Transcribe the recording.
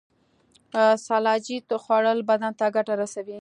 سلاجید خوړل بدن ته ګټه رسوي